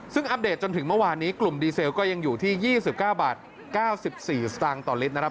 ซึ่งอัปเดตจนถึงเมื่อวานนี้กลุ่มดีเซลก็ยังอยู่ที่๒๙บาท๙๔สตางค์ต่อลิตรนะครับ